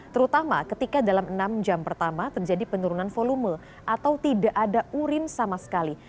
terutama ketika dalam enam jam pertama terjadi penurunan volume atau tidak ada urin sama sekali